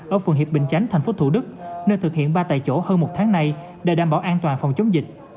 ở phường hiệp bình chánh tp thủ đức nơi thực hiện ba tại chỗ hơn một tháng nay để đảm bảo an toàn phòng chống dịch